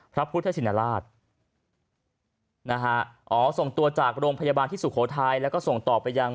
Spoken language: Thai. พระพุทธชินราชนะฮะอ๋อส่งตัวจากโรงพยาบาลที่สุโขทัยแล้วก็ส่งต่อไปยัง